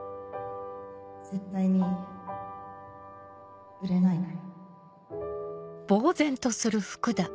絶対に売れないから。